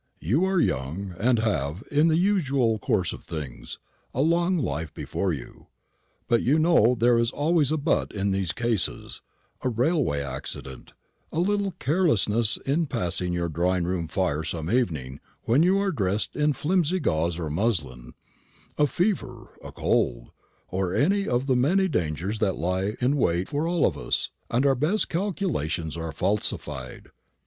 You are young, and have, in the usual course of things, a long life before you. But you know there is always a 'but' in these cases a railway accident a little carelessness in passing your drawing room fire some evening when you are dressed in flimsy gauze or muslin a fever a cold any one of the many dangers that lie in wait for all of us, and our best calculations are falsified.